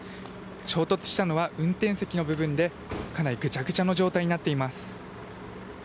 衝突したのは運転席の部分でかなりぐちゃぐちゃの状態になっています。